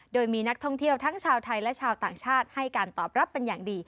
โดยมีนักท่องเที่ยวทั้งชาวไทยและชาวต่างชาติให้การตอบรับเป็นอย่างดี